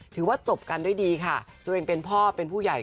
ถือว่าจบกันด้วยดีค่ะตัวเองเป็นพ่อเป็นผู้ใหญ่